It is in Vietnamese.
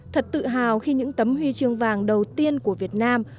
thật tự hào khi những tấm huy chương vàng đầu tiên của việt nam